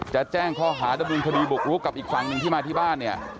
จะแจ้งข้อหาดำเนินคดีบุกรุกกับอีกฝั่งหนึ่งที่มาที่บ้านเนี่ย